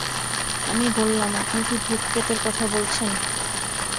আমি বললাম, আপনি কি ভূতপ্রেতের কথা বলছেন?